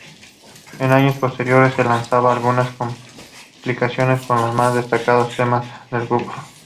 En años posteriores se lanzan algunas compilaciones con los más destacados temas del grupo.